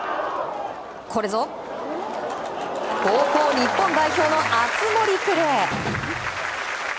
これぞ、高校日本代表の熱盛プレー！